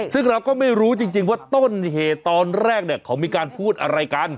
ซึ่งเราก็ไม่รู้จริงว่าต้นเหตุตอนแรกเขามีการพูดอะไรกัน